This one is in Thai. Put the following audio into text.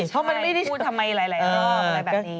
ใช่คุณทำไมหลายรอบล่ะ